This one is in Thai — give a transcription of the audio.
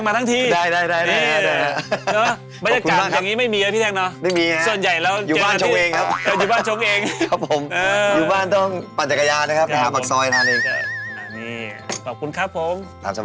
อ่าเนี่ยขอบคุณครับผม